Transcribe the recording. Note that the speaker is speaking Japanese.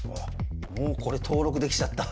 もうこれ登録できちゃった。